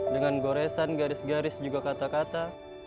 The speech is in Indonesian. dengan goresan garis garis juga kata kata